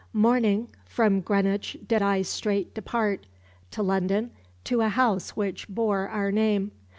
Mourning, from Greenwich did I straight depart, To London, to a house which bore our name.